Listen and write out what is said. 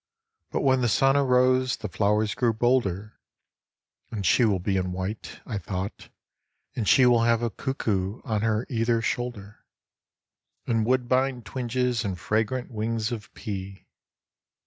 But when the sun arose the flowers grew bolder, And she will be in white, I thought, and she Will have a cuckoo on her either shoulder. And woodbine twines and fragrant wings of pea.